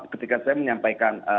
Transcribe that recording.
ketika saya menyampaikan